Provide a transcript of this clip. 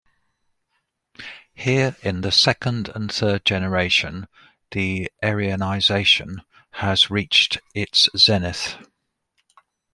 Here in the second and third generation, the Aryanisation has reached its zenith.